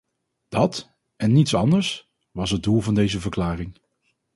Dat, en niets anders, was het doel van deze verklaring.